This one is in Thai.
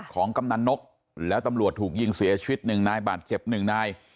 กำนันนกแล้วตำรวจถูกยิงเสียชีวิตหนึ่งนายบาดเจ็บหนึ่งนาย